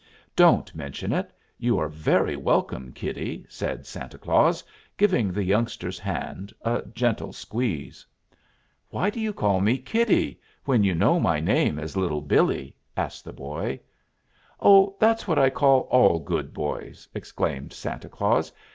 "Don't mention it; you are very welcome, kiddie," said Santa Claus, giving the youngster's hand a gentle squeeze. "Why do you call me 'kiddie' when you know my name is Little Billee?" asked the boy. "Oh, that's what I call all good boys," explained Santa Claus.